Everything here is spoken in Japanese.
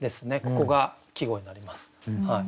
ここが季語になります。